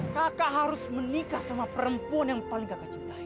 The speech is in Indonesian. kakak harus menikah sama perempuan yang paling kakak cintai